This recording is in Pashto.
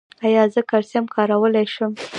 ایا زه کلسیم کارولی شم؟